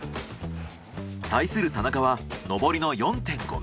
対する田中は上りの４．５ｍ。